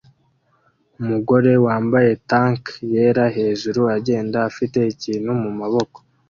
Umugore wambaye tank yera hejuru agenda afite ikintu mumaboko